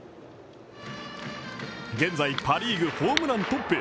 現在、パ・リーグホームラントップ。